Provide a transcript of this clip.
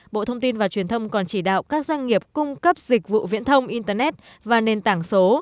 bộ thông tin và truyền thông còn chỉ đạo các doanh nghiệp cung cấp dịch vụ viễn thông internet và nền tảng số